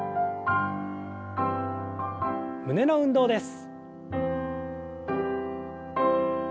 胸の運動です。